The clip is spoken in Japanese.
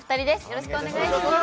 よろしくお願いします。